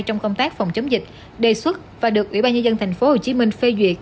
trong công tác phòng chống dịch đề xuất và được ủy ban nhân dân tp hcm phê duyệt